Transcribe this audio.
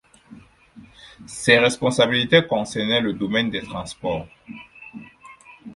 Ses responsabilités concernaient le domaine des transports.